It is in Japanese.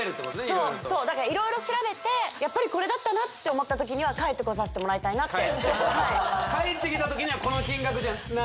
色々とそうそうだから色々調べてやっぱりこれだったなって思った時には帰ってこさせてもらいたいなってないですからね